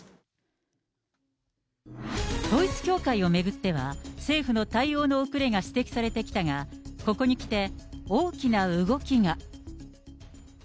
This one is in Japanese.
統一教会を巡っては、政府の対応の遅れが指摘されてきたが、ここにきて、大きな動きが。